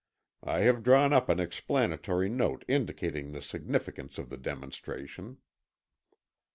I have drawn up an explanatory note indicating the significance of the demonstration."